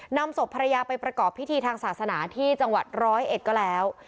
นำศพภรรยาไปประกอบพิธีทางศาสนาที่จังหวัดร้อยเอ็ดก็แล้ว